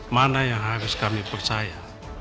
mana yang harus kami percaya